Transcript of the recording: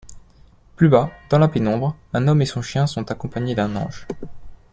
Plus bas, dans la pénombre, un homme et son chien sont accompagnés d'un ange.